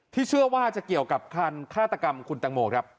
เชื่อว่าจะเกี่ยวกับคันฆาตกรรมคุณตังโมครับ